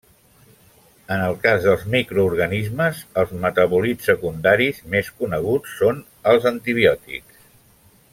En el cas dels microorganismes, els metabòlits secundaris més coneguts són els antibiòtics.